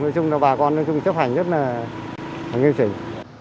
nói chung là bà con chấp hành rất là nghiêm trình